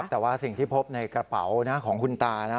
แต่ว่าสิ่งที่พบในกระเป๋านะของคุณตานะ